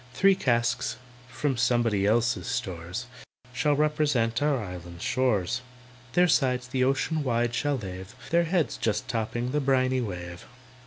"Three casks, from somebody else's stores, Shall represent our island shores, Their sides the ocean wide shall lave, Their heads just topping the briny wave.